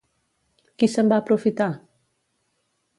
Qui se'n va aprofitar?